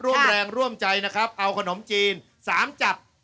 ร่วมแรงร่วมใจนะครับเอาขนมจีน๓จับ